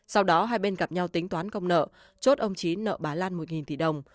sau đó hai bên gặp nhau tính toán công nợ chốt ông trí nợ bà lan một tỷ đồng